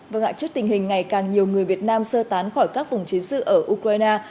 vâng ạ trước tình hình ngày càng nhiều người việt nam sơ tán khỏi các vùng chiến sự ở ukraine